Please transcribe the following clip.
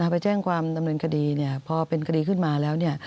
ไปแจ้งความดำเนินคดีพอเป็นคดีขึ้นมาแล้วเนี่ย